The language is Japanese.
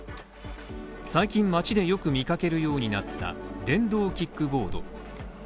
最近街でよく見かけるようになった電動キックボード。